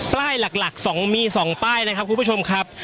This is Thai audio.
ป้ายหลักหลักสองมีสองป้ายนะครับคุณผู้ชมครับ